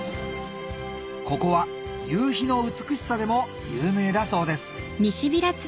ここは夕日の美しさでも有名だそうです